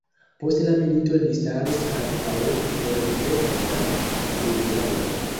Post la milito li staris antaŭ Nurenberga tribunalo.